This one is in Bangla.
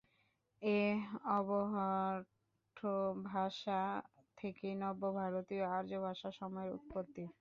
এ অবহট্ঠ ভাষা থেকেই নব্য ভারতীয় আর্যভাষাসমূহের উৎপত্তি।